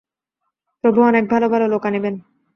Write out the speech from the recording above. প্রভু অনেক ভাল ভাল লোক আনিবেন।